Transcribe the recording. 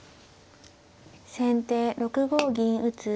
先手６五銀打。